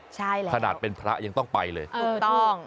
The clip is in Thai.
ใช่แล้วขนาดเป็นพระยังต้องไปเลยถูกต้อง